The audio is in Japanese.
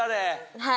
はい。